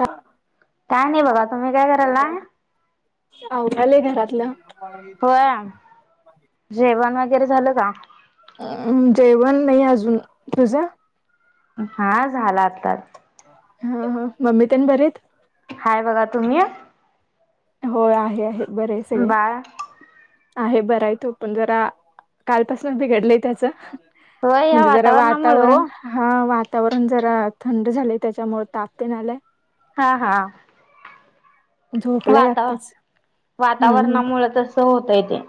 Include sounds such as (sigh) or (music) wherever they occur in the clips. का काय नाही बघा तुम्ही काय करायलाय? आवरायल घरातलं. होय जेवण वगैरे झालं का? अ जेवण नाही अजून तुझं. हा झाला आताात. हा ह मम्मी त्यानं बरेत? हाय बघा तुम्ही? हो आहे आहे बर आहे सगळे. बाळ आहे बरं आहे तो पण जरा कालपासून बिघडलंय त्याच. होय ह्या म्हणजे जरा वातावरणामुळे वातावरण हो हा वातावरण जरा थंन झालय त्याच्यामुळे तापतेन आलं हा हा. झोपलाय वाता आत्ताच. हम्म हम्म वातावरणामुळ तसं होतय ते.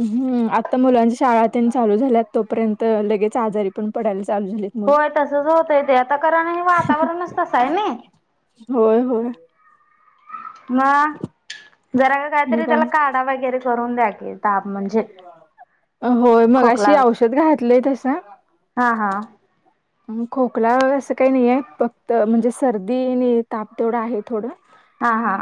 हम्म. आता मुलांच्या शाळा चालू झाल्या तोपर्यंत लगेच आजारी पण पडायला चालू झालेत मुलं. होय तसच होतय ते आता कारण हे वातावरणच तसं आहे ना. होय होय. मग जरा का मग काहीतरी त्याला काय काढा वगैरे करून द्याकी. ताप म्हणजे होय मगाशी खोकलात औषध घातलंय तसं हा हा खोकला असं काही नाही आहे फक्त म्हणजे सर्दी आणि ताप तेवढा आहे थोडं. हा हा.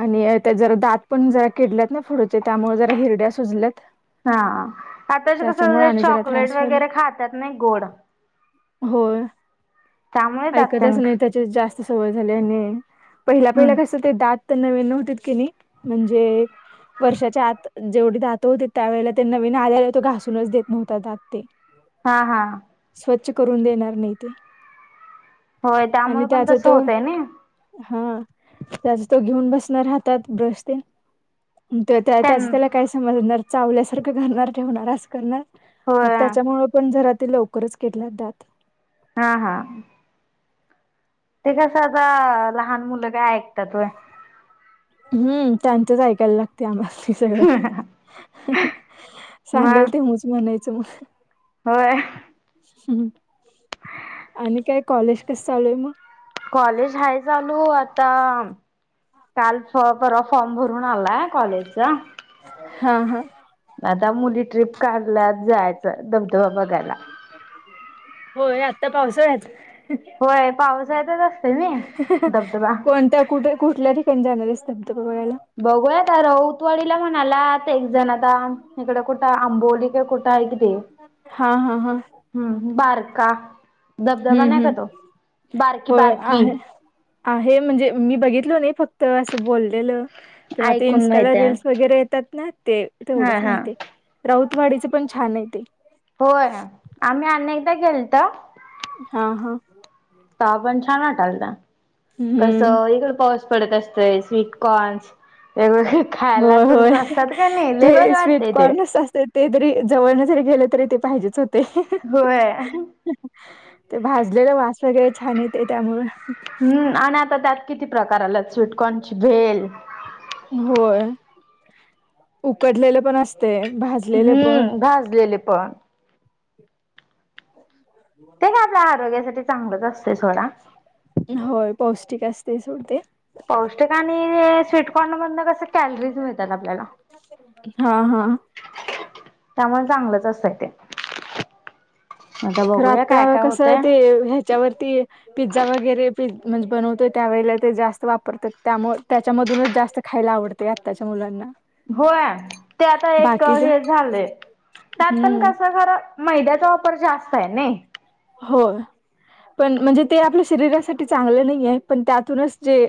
आणि त्याच जरा दात पण जरा किडल्यात नई फुडच्या त्यामुळ जरा हिरड्या सुजल्यात. हां आताच कस त्याच्यामुळे आणि जरा त्रास चॉकलेट व्हायला वगैरे खातात नाही गोड. होय. त्यामुळे दात ऐकतच नाही हम्म त्याच्यात जास सवय झाल्या आणि पहिल्या पहिल्या कस ते दात त नवीन होतीत की नाही म्हणजे वर्षाच्या आत जेवढी दात होते त्यावेळेला ते नवीन आल्याआल्या तो घासूनच देत नव्हता दात ते. हा हा. स्वच्छ करून देणार नाही ते. होय आणि त्यामुळे पण त्याचा तसं तो होतय ना हां त्याचा तो घेऊन बसणार हातात ब्रश त्या त्यां त्याच त्याला काय समजणार? चावल्यासारख करणार ठेवणार असं करणार मग होय त्याच्यामुळे पण जरा ते लवकरच किडल्यात दात. हां हां ते कसं आता लहान मुलं काय ऐकतात होय हम्म त्यांचेच ऐकायला लागतंय आम्हाला. सगळं सांगाल मग ते हुं च म्हणायचं म होय. हम्म आणि काय कॉलेज कस चालू आहे मग? कॉलेज हाय चालू आता काल परवा फॉर्म भरून आलाय कॉलेजचा. हां हां. आता मुली ट्रिप काढल्यात जायचं धबधबा बघायला. होय आत्ता पावसाळ्यात? होय पावसाळ्यातच असते मी धबधबा कोणत्या कुठ कुठल्या ठिकाणी जाणार आहेसा? बघूया आता राऊतवाडीला म्हणाल्यात एक जण आता इकड कुठं आंबोली कुठ आहे की ते हा हा हा हम्म बारका धबधबा हम्म नाही का हम्म तो बारकी हो बारकी आहे आहे म्हणजे मी बघितलो नाही फक्त तर असं बोललेलं किंवा ते ऐकून इन्स्टाला माहित रीलस आहे वगैरे येतात ना ते तेवढंच हा हा माहिती आहे. राऊतवाडीच पण छान आहे ते. होय आम्ही अनेकदा गेलत. हां हां. तवा पण छान वाटालत क हम्म सगळीकड पाऊस पडत असतंय स्वीटकॉर्न्स वेगवेग होय होय ते वाटतय ते स्वीटकॉर्नस असते ते जरी जवळ जरी गेले तरी ते पाहिजेच होते होय. ते भाजलेलं वास वगैरे छान येतंय त्यामुळं हम्म आणि आता त्यात किती प्रकार आल्यात स्वीटकॉर्नची भेल होय उकडलेलं पण अस हम्म भाजलेले पण. ते काय आपल्या आरोग्यासाठी चांगलंच असतंय सोडा. टिक असते सोडते. पौष्टिक आणि स्वीटकॉर्न मधन कस कॅलरीज मिळतात आपल्याला (unintelligible) त्यामुळे चांगलंच असतंय ते. तर बघूया आता काय काय कसं होतय. ते ह्याच्यावरती पिझ्झा वगैरे प म्हणजे बनवतोय त्यावेळेला ते जास्त वापरतात त्यामुळे त्याच्यामधूनच जास्त खायला आवडतेय आताच्या मुलांना. होय ते आता एक बाकीच हे झालंय त्यात पण हम्म कस खर मैद्याचा वापर जास्त आहे नई. हो पण म्हणजे ते आपल्या शरीरासाठी चांगलं नाही आहे पण त्यातूनच जे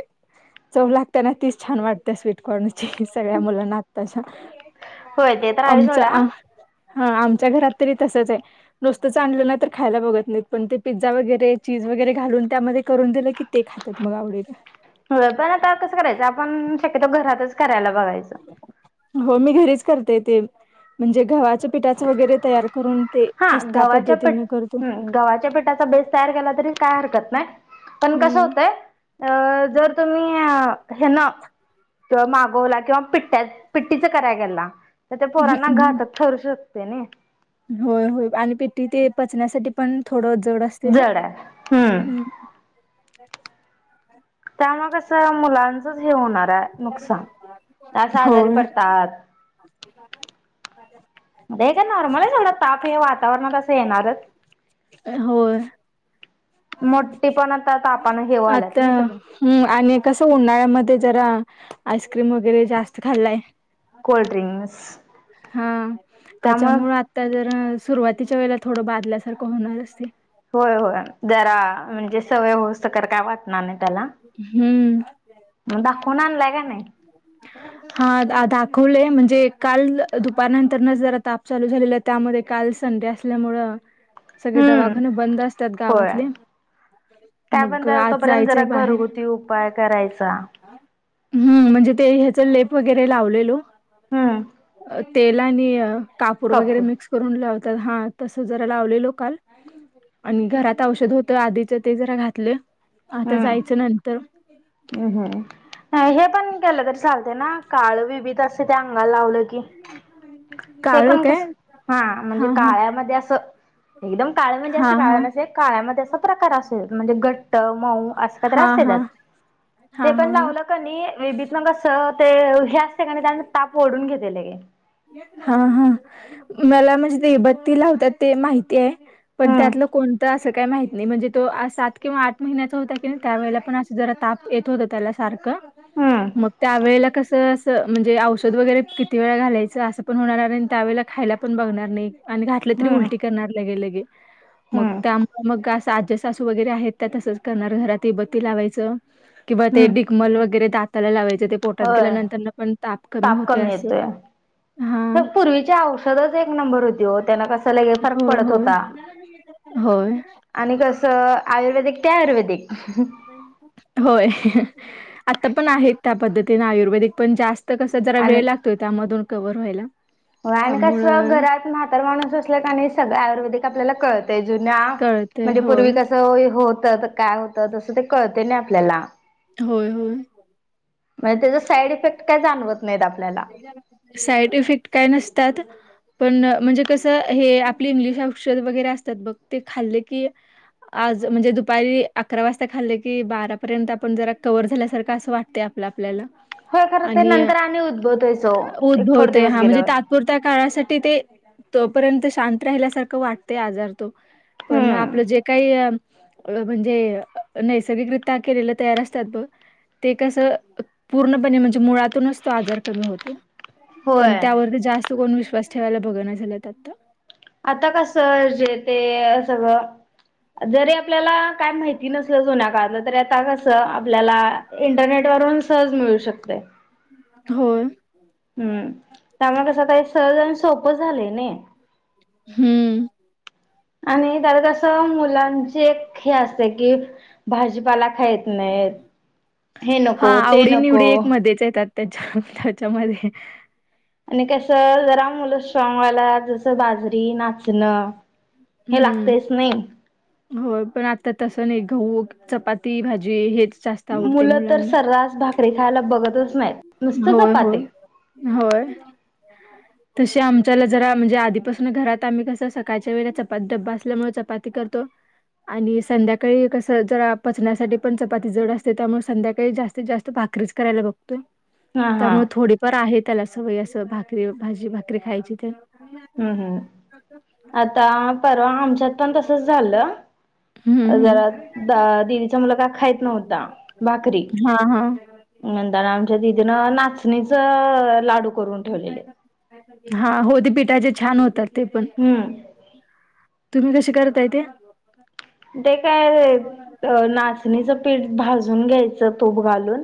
चव लागते ना तीच छान वाटते स्वीटकॉर्न ची सगळ्या मुलांना आताच्या होय ते तर आहे सोडा. हा आमच्या घरात तरी तसच आहे नुसतं च आणलं ना तर खायला बघत नाहीत पण ते पिझ्झा वगैरे चीज वगैरे घालून त्यामध्ये करून दिलं की ते खातात मग आवडीला हो पण आता कसं करायचं आपण शक्यतो घरातच करायला बघायचं. हो मी घरीच ते म्हणजे गव पठाच वगैरे तयार करून ते पद्धतीन हम गव्हाच्या पिठाचा बेस तयार केला तरी काय हरकत नाही. पण कस हम्म. होतंय अ जर तुम्ही हे ना किंवा मागवला किंवा पिट्ट्या पिट्टीच कराय गला तर ते पोरांना घातच ठरू शकते नाही. होय हो आणि पिठी ते पचण्यासाठी पण थोडं जड असते ना. जड आहे हम्म त्या मगसं मुलांचंच हे होणार आहे. नुकसान आस आजारी होय पडतात. (unintelligible) का नॉर्मल आहे एवढा ताप हे वातावरणात असं येणारच हो मोठी पण आता हे व्हायल्यात आता नाही सगळं हम् आणि कसं उन्हाळ्यामध्ये जरा आईक्रीम वगैरे जास्त खाल्लाय कोल्ड्रिंक्स हा त्यामुळे त्याच्यामुळ आता जर सुरुवातीच्या वेळे थोडं बादल्यासारखं होणार असते. होय होय जरा म्हणजे सवय होस तर काय वाटणार नाही त्याला हम्म. मग दाखवून आणलाय का नाही. खुले म्हणजे काल दुपारनंतर न जरा ताप चालू झालेला त्यामध्ये काल संडे असल्यामुळ सगळे हम्म दवाखने बंद असतात गावातले त्या पण मग ज आज तोपर्यंत जरा जायचंय बाहेर घरगुती उपाय करायचा. हम्म म्हणजे ते ह्याच लेप वगैरे लावलेलो हम्म. अ, तेल आणि कापूर वगैरे कपूर. मिक्स करून लावत तर हा तसं जरा लावलेलो काल आणि घरात औषध होत आधीच ते जरा घातले आता जायचं नंतर हम् हम्म हे पण केलं तरी चालते ना. काळ विभीत असं ते अंगाला लावलं की ते काळ पण काय कस हा म्हणजे काळ्यामध्ये असं एकदम काळ म्हणजे हा असं हा काळ न काळ्यामध्ये असा प्रकार असेल म्हणजे घट्ट मऊ असं का हा असत ण हा हा हा हा हच ठिकाणी त्यांनी ताप ओढून घेतलेले हा हा मला म्हणजे देबत्ती लावतात ते माहिती आहे पण हम्म. त्यातलं कोणतं असं काय माहत नाही म्हणजे तो सात किंवा आठ महिन्याचा होता की नाही त्यावेळेला पण असं जरा ताप येत होत त्याला सारखं हम्म. मग त्या वेळेला कस अस म्हणजे औषध वगैरे किती वेळा घालायचं असं पण होणार आणि त्यावेेळेला खायला पण बघणार नाही आणि घातलं तरी हम्म. उलटी करणार लगे लगे मग हम्म. त्यामुळे मग असं आज सासू वगैरे आहेत त्या तसंच घरात लावायच किंवा ते हम्म डमल वगरे दाताला लाच पोटात होय गेल्यानंतरन पण ताप कमी होते असं हा तर पूर्वीच्या औषधच एक नंबर होती हो, त्यांना कसला फरक होय पडत होय होता. होय आणि कसं आयुर्वेदिक ते आयुर्वेदिक होय... आता पण आहेत त्या पद्धतीने आयुर्वेदिक पण जास्त कस जरा वेळ लागतोय त्यामधून रिकव्हर व्हायला. हो आणि कास त्यामुळं घरात म्हातार माणूस असले का सगळ आयुर्वेदिक आपल्याला कळतय जुन्या कळते म्हणजे पूर्वी होय कसं होत काय होतं तसं ते कळते ना आपल्याला होय होय. म्हणजे त्याच साईड इफेक्ट काय जाणवत नाहीत आपल्याला साईड इफेक्ट काय नसतात. पण म्हणजे कसं हे आपली इंग्लिश औषध वगैरे असतात. बघ ते खाल्ले की, आज म्हणजे दुपारी अकरा वाजता जेवलो, आणि बारा पर्यंत कव्हर अस वाटतय आपल आपल्याला होय खरं ते आणि..... नंतर आणि उद्भवतोयच ओ एक थोडे उद्भवतय दिवस हा म्हणजे गेल्यावर तात्पुरत्या काळासाठी ते, तोपर्यंत शांत राहिल्यासारखं वाटतय आजार तो पण हम्म आपलं जे काही, म्हणजे नैसर्गिकरीत्या केलेलं तयार असतात बघ ते कस पूर्णपणे म्हणजे मुळातूनच तो आजार कमी होतो... पण होय त्यावरती जास्त कोण विश्वास विश्वास ठेवायला बघण झालं. त्यात आता कस जे ते सगळ जरी आपल्याला काय माहिती नसल, जुन्या काळलं तर आता कस आपल्याला इंटरनेट वरून सहज मिळू शकते. होय. हं त्यामुळे कसं काही सहज आणि सोपं झालं न. हं आणि तर कस मुलांची एक हे असते, की भाजीपाला खायच नाही. खर (unintelligible) हा आवडी निवडी एक मध्येच येतात. त्याच्या त्याच्यामध्ये आणि कस जरा मुलं स्ट्रॉंग व्हायला जसं बाजरी, नाचणं हे हं.... लागतेच नाही हो पण आता तसं नाही गहु चपाती, भाजी हेच जास्त आवडते मुलं तर मुलांना. सर्रास भाकरी खायला बघतच नाहीत नुसत होय, होय. चपाती होय. (inaudible) तशी आमच्याला जरा म्हणजे आधीपासून घरात आम्ही कसं सकाळच्या वेळेस चपाती डबा असल्यामुळे चपाती करतो. आणि संध्याकाळी कस जरा पचण्यासाठी पण चपाती जड असते. त्यामुळे संध्याकाळी जास्तीत जास्त करायला बघ. हा हा त्यामुळे थोडीफार आहे. त्याला सवय असं भाकरी, भाजी, भाकरी खायची तर हं हं आता परवा आमच्यात पण तसच झालं. हम्म जरा हम्म. दिदीचा मुलगा का खायत नव्हता. भाकरी हा हा नंतर आमच्या दिदीनं नाचणीचं लाडू करून ठेवलेले. हा होदीपिठाचे छान होतात. ते पण हम्म तुम्ही कसे करताय ते? ते काय नाचणीचं पीठ भाजून घ्यायचं, तूप घालून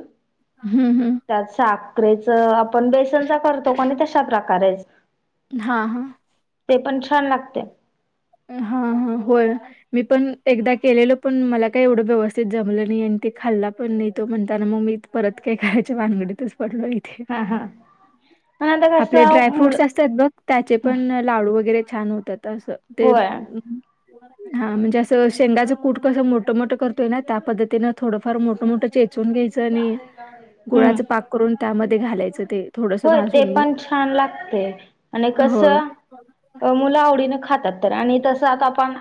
हम्म हम्म त्यात साखरेच आपण बेसनचा करतो. कोणी तश्या प्रकारेच हा हा ते पण छान लागते. हा हा होय. मी पण एकदा केलेलो पण, मला काही एवढं व्यवस्थित जमलं नाही. ते खाल्ला पण नाही तो, म्हणताना मग मी परत काय खायच्या भानगडीत पडलो. इथे हा हा पण आता आपले कसं मुलं ड्रायफ्रूट्स असतात, बघ त्याचे पण लाडू वगैरे छान होतात तं ते होय हा म्हणजे असं शेंगाचं कूट कसं मोठं मोठं करतोय ना त्या पद्धतीनं थोडंफार मोठं मोठं वाचून घ्यायचं आणि हम्म गुळाच पाक करून त्यामध्ये घालायचं ते थोडस होय ते भाजून घेऊन पण छान लागते आणि कस होय. मुलं आवडीने खातात आणि तस आता आपण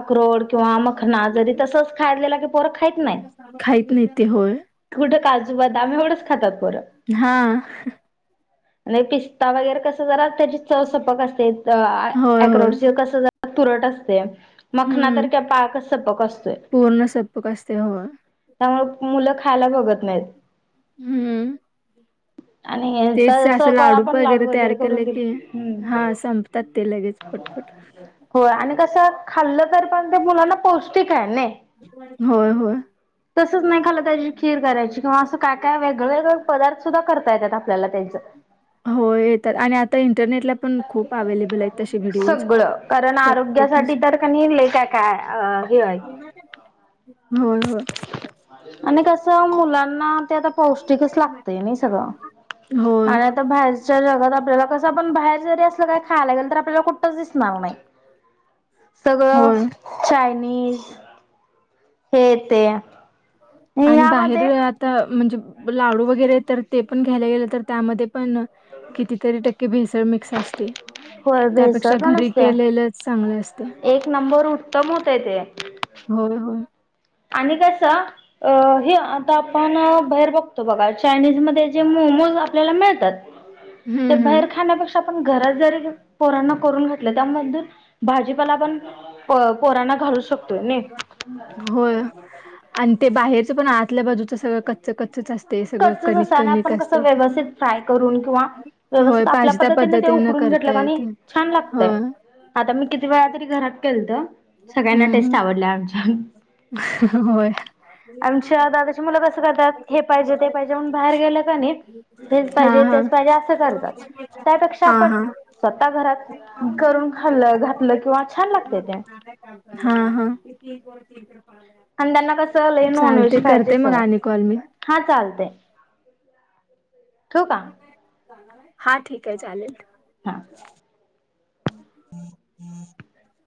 अक्रोड किंवा मखना जरी तसच खायलेला क फर खायत नाही खाहीत नाही ते होय कुठ काल दबवढंच खातात बरं हा म्ह पिस्ता वगैरे कस जरा त्याची चव सपक असते होय होय अ्रोड कस तुरट असते मखना हम्म तरारख्या पाकच सपक असतोय पूर्ण सपक असते होय त्यामु मुलं खायला बघ हम्म अ नाही तेच असं तर आपण लाडू तयार वगैरे करून केले दिल की हा संपतात ते लगेच हम् पटपट हो आणि कस खाल्लं तर पण मुलांना पौष्टिक आहे ना होय होय तसंच नाही खाला त्याची खीर करायची किंवा असं काय काय वेगळे वगळे पदार्थ सुद्धा करतायेत आता त्यांच हो येतात आणि आता इंटरनेटला पण खूप अवे्लेबल आहेत तसे व्हिडिओज प्रत्येक साठी ह्याचे तर का निलेय का काय हेय हो हो आणि कसं मुलांना ते आता पौष्टिकच लागतय नाही सगळं हो आणि आता बाहेरच्या जगात आपल्याला कसं आपण बाहेर जरी असलं काही खायला गेल तर आपल्याला कुठच दिसणार नाही सगळं होय छान चायनीज हे येते आणि बाहेर आता म्हणजे लाडू वगैरे तर ते पण घ्यायला गेलं तर त्यामध्ये पण कितीतरी टक्के भेसळ मिक्स असते होय भेसळ त्यापेक्षा पण घरी असते. केलेलंच चांगलं असते एक नंबर उत्तम होतय ते. होय होय आणि कस हे आता आपण बाहेर बघतो बघा चायनीजमध्येध्ये जे मम मोज आपल्याला मिळतात ते हं, हं. बाहेर खाण्यापेक्षा आपण घरात जरी पोरांना करून घातले त्यामून भाजीपाला पण पोराणा घलू हो आणि ते बाहेरच पण आतल्या बाजूच सगळं कच्च क् कच आपण कस ते. व्यवस्ित फ्राय करून किंवा होय, व्यवस्थित आपल्या पाहिजे त्या पद्धतीने पद्धतीनं उकडून करता घेतलं येते. छान लागतय होय. आता मी किती वेळा तरी घरात केलत सगळ्यांना हं, टेस्ट हं. आवडला आम होय. आमच्या दादाची मुलं कस करातात हे पाहिजे ते पाहिजे म्हण बाहेर गेलं का नाही हेच हा पाहिजे हा तेच पाहिजे असं करतात त्यापेक्षा हा आपण हा. स्वतः घरात करून खाल्ल घातलं किंवा छान लागते ते हा हा आणि त्यांना कसं झालंय नॉन व्हेज चालते खायचे करते मग सवय आणि कॉल मी हा चालतेय ठ का हा ठीक आहे चालेल हा हम्म हम्म